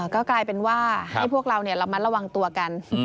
ก็กลายเป็นว่าให้พวกเราระมัดระวังตัวกัน